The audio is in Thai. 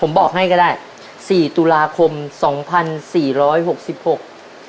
ผมบอกให้ก็ได้สี่ตุลาคมสองพันสี่ร้อยหกสิบหก